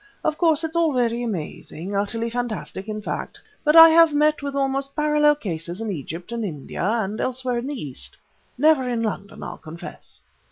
Of course, it's all very amazing, utterly fantastic in fact, but I have met with almost parallel cases in Egypt, in India, and elsewhere in the East: never in London, I'll confess.